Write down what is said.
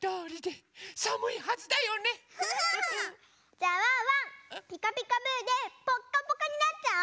じゃあワンワン「ピカピカブ！」でぽっかぽかになっちゃおう！